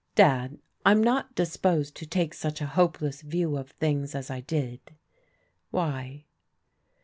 Dad, I'm not disposed to take such a hopeless view of things as I did." "Why?"